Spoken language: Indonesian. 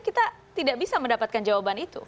kita tidak bisa mendapatkan jawaban itu